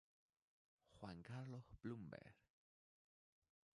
Juan Carlos Blumberg.